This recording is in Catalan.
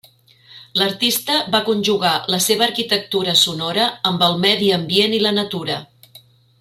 L'artista va conjugar la seva arquitectura sonora amb el medi ambient i la natura.